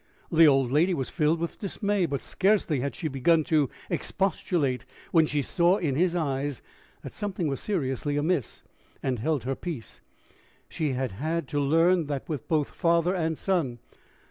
The old lady was filled with dismay; but scarcely had she begun to expostulate when she saw in his eyes that something was seriously amiss, and held her peace she had had to learn that with both father and son.